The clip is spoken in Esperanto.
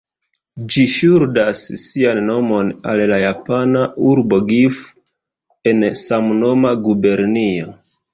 Ĝi ŝuldas sian nomon al la japana urbo Gifu, en samnoma gubernio.